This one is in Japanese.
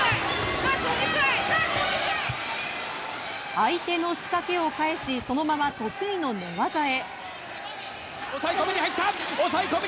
相手の仕掛けを返しそのまま得意の寝技へ。